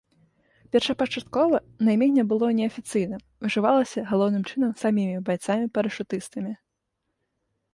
Першапачаткова найменне было неафіцыйным, і ўжывалася галоўным чынам самімі байцамі-парашутыстамі.